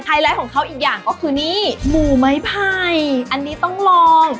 ไลท์ของเขาอีกอย่างก็คือนี่หมูไม้ไผ่อันนี้ต้องลอง